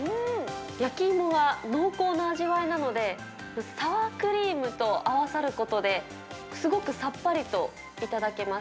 焼き芋が濃厚な味わいなので、サワークリームと合わさることで、すごくさっぱりと頂けます。